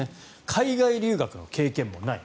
海外留学の経験もない。